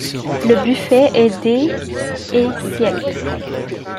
Le buffet est des et siècles.